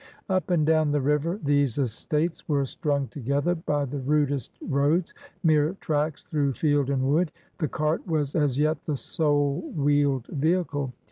Up and down the river these estates were strung together by the rudest roads, mere tracks through field and wood. The cart was as yet the sole wheeled vehicle.